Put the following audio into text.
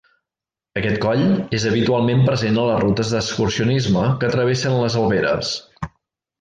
Aquest coll és habitualment present a les rutes d'excursionisme que travessen les Alberes.